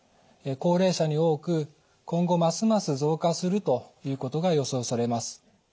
高齢者に多く今後ますます増加するということが予想されます。